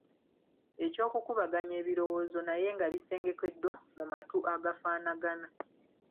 Eky'okukubaganya ebirowoozo naye nga bisengekeddwa mu matu agafaanagana.